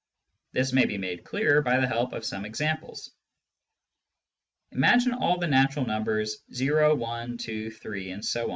This may be made clearer by the help of some examples. Imagine all the natural numbers o, i, 2, 3, ...